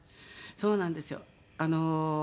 そうなんですよ。